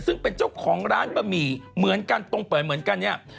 ซึ่งเป็นเจ้าของร้านบะหมี่เหมือนกันตรงเปิดเหมือนกันเนี่ย